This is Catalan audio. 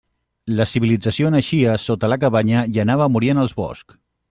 La civilització naixia sota la cabanya i anava a morir en els boscs.